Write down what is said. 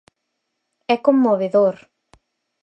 ¡É conmovedor!